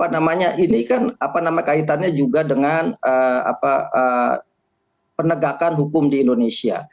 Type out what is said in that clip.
namanya ini kan apa nama kaitannya juga dengan penegakan hukum di indonesia